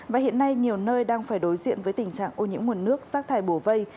và hiện nay nhiều nơi đang phải đối diện với tình trạng ô nhiễm nguồn nước rác thải bổ vây